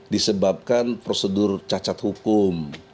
disebabkan prosedur cacat hukum